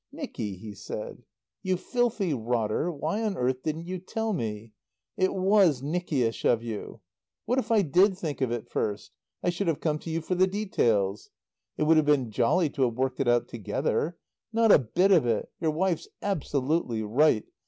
"Nicky," he said, "you filthy rotter, why on earth didn't you tell me?... It was Nickyish of you.... What if I did think of it first? I should have had to come to you for the details. It would have been jolly to have worked it out together.... Not a bit of it! Your wife's absolutely right.